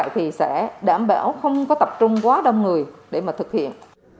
thì sẽ đảm bảo không có tập trung quá đông người để mà thực hiện